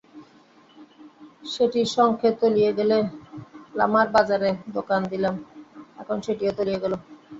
সেটি শঙ্খে তলিয়ে গেলে লামার বাজারে দোকান দিলাম, এখন সেটিও তলিয়ে গেল।